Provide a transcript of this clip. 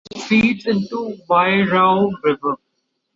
It feeds into the Wairau River.